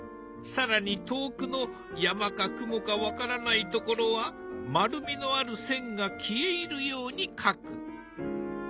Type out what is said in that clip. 更に遠くの山か雲か分からないところは丸みのある線が消え入るように描く。